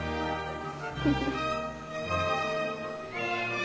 フフフ。